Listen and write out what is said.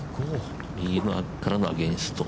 右からのアゲンスト。